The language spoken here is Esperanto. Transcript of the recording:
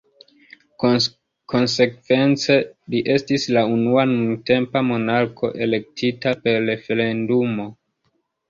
Konsekvence, li estis la unua nuntempa monarko elektita per referendumo.